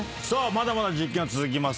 まだまだ実験は続きます。